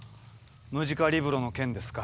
ムジカリブロの件ですか。